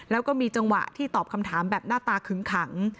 แล้วก็มีจังหวะที่ตอบคำถามแบบหน้าตาขึ้งขัง